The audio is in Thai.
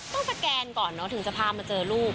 ต้องประแกนก่อนเนาะถึงจะพามาเจอลูก